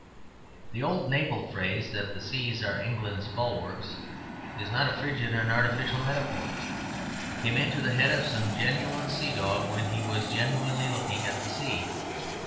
The old naval phrase, that the seas are England's bulwarks, is not a frigid and artificial metaphor; it came into the head of some genuine sea dog, when he was genuinely looking at the sea.